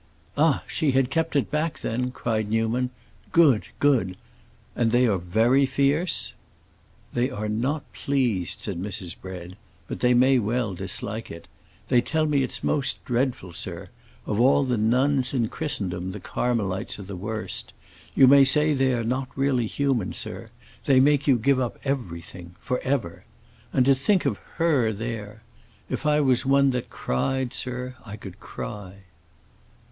"Ah, she had kept it back, then?" cried Newman. "Good, good! And they are very fierce?" "They are not pleased," said Mrs. Bread. "But they may well dislike it. They tell me it's most dreadful, sir; of all the nuns in Christendom the Carmelites are the worst. You may say they are really not human, sir; they make you give up everything—forever. And to think of her there! If I was one that cried, sir, I could cry."